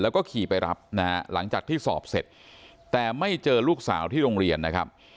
แล้วก็ขี่ไปรับนะฮะหลังจากที่สอบเสร็จแต่ไม่เจอลูกสาวที่โรงเรียนนะครับ